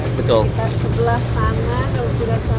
sekitar sebelah sana kalau tidak salah